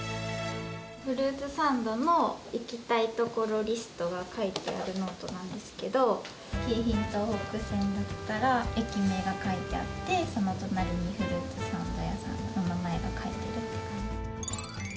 フルーツサンドの行きたいところリストが書いてあるノートなんですけど、京浜東北線だったら駅名が書いてあって、その隣にフルーツサンド屋さんの名前が書いてあるって感じです。